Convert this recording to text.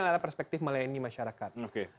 adalah perspektif melayani masyarakat